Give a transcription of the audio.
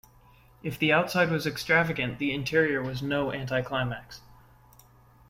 If the outside was extravagant, the interior was no anti-climax.